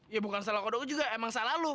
ya bukan salah kodoknya juga emang saya lu